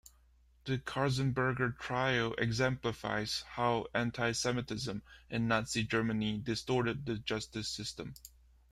The Katzenberger trial exemplifies how anti-Semitism in Nazi Germany distorted the justice system.